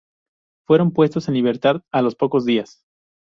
Fueron puestos en libertad a los pocos días.